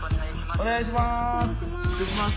お願いします。